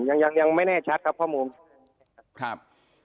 ยังไม่แน่แชอจากข้อมูลครับ